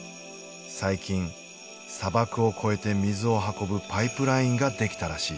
最近砂漠を越えて水を運ぶパイプラインが出来たらしい。